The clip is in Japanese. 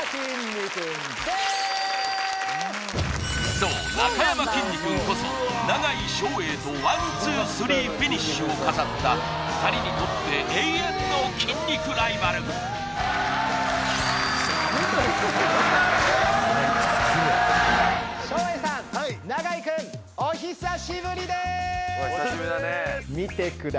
そうなかやまきんに君こそ永井・照英とワンツースリーフィニッシュを飾った２人にとって永遠の筋肉ライバルはいお久しぶりでーすお久しぶりだね